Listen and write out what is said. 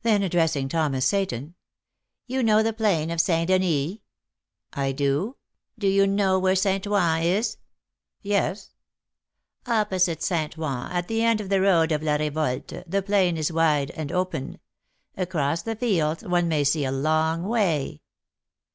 Then, addressing Thomas Seyton, "You know the plain of St. Denis?" "I do." "Do you know where St. Ouen is?" "Yes." "Opposite St. Ouen, at the end of the road of La Revolte, the plain is wide and open. Across the fields, one may see a long way.